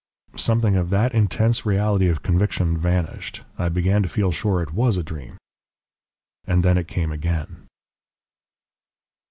"Something of that intense reality of conviction vanished. I began to feel sure it WAS a dream. And then it came again.